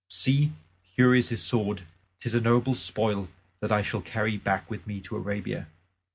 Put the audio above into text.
See, here is his sword; 'tis a noble spoil that I shall carry back with me to Arabia."